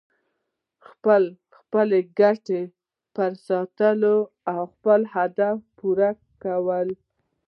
خپلې ګټې پرې ساتي او خپل اهداف پوره کوي.